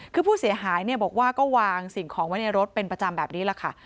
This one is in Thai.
คือผู้เสียหายบอกว่าก็วางสิ่งของไว้ในรถเป็นประจำแบบนี้แหละค่ะ